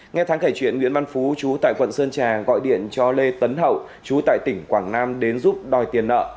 nghe tháng kể chuyện nguyễn văn phú chú tại quận sơn trà gọi điện cho lê tấn hậu chú tại tỉnh quảng nam đến giúp đòi tiền nợ